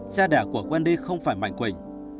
cha đẻ của wendy không phải bảnh quỳnh